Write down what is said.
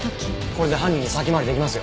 これで犯人に先回り出来ますよ！